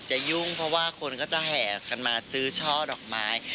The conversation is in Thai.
ยุ่งเพราะว่าคนก็จะแห่กันมาซื้อช่อดอกไม้